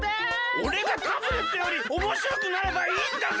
おれがタブレットよりおもしろくなればいいんだぜ！